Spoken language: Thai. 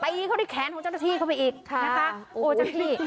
ไปอีกเข้าที่แขนของเจ้าหน้าที่เข้าไปอีกค่ะนะคะโอ้ยจนที่